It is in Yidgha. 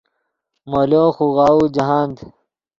مولو خوغاؤو جاہند